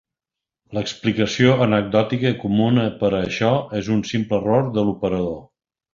L'explicació anecdòtica comuna per a això és un simple error de l'operador.